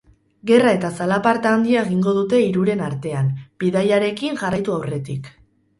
Gerra eta zalaparta handia egingo dute hiruren artean, bidaiarekin jarraitu aurretik.